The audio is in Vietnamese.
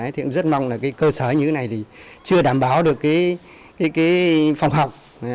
thì cũng rất mong là cái cơ sở như thế này thì chưa đảm bảo được cái phòng học